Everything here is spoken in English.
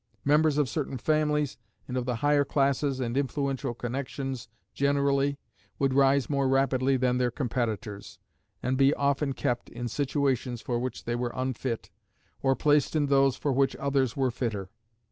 Members of certain families, and of the higher classes and influential connections generally, would rise more rapidly than their competitors, and be often kept in situations for which they were unfit, or placed in those for which others were fitter.